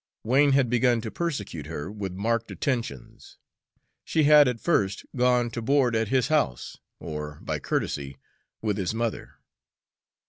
Wain had begun to persecute her with marked attentions. She had at first gone to board at his house, or, by courtesy, with his mother.